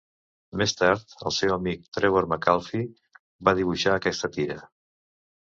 Més tard, el seu amic Trevor Metcalfe va dibuixar aquesta tira.